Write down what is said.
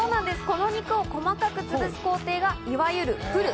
この肉を細かく潰す工程がいわゆるプル。